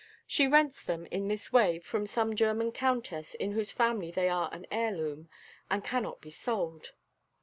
She rents them in this way from some German countess in whose family they are an heir loom, and cannot be sold."